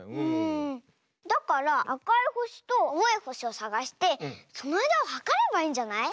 だからあかいほしとあおいほしをさがしてそのあいだをはかればいいんじゃない？